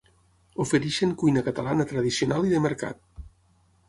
Ofereixen cuina catalana tradicional i de mercat.